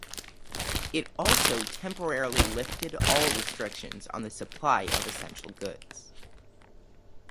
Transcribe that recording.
It also temporarily lifted all restrictions on the supply of essential goods.